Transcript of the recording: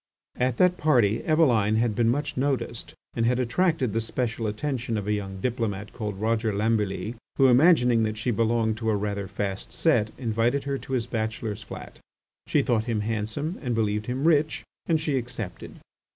At that party Eveline had been much noticed and had attracted the special attention of a young diplomat called Roger Lambilly who, imagining that she belonged to a rather fast set, invited her to his bachelor's flat. She thought him handsome and believed him rich, and she accepted.